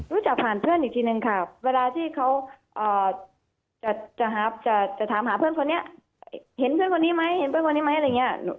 ผ่านเพื่อนอีกทีนึงค่ะเวลาที่เขาจะถามหาเพื่อนคนนี้เห็นเพื่อนคนนี้ไหมเห็นเพื่อนคนนี้ไหมอะไรอย่างนี้